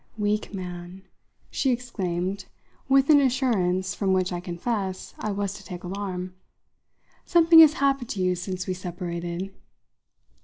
Weak man," she exclaimed with an assurance from which, I confess, I was to take alarm, "something has happened to you since we separated!